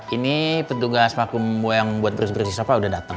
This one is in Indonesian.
ini petugas vakum yang buat berus berus di sofa udah dateng